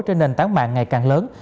trên nền tán mạng ngày càng lớn